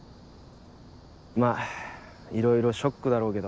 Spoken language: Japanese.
まぁいろいろショックだろうけど。